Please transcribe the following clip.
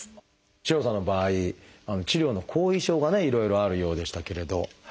四郎さんの場合治療の後遺症がねいろいろあるようでしたけれど。